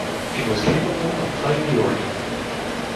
It was capable of playing the organ.